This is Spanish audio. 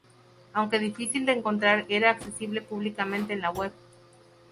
aunque difícil de encontrar era accesible públicamente en la web